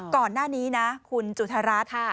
ก่อนหน้านี้นะคุณจุธรัฐ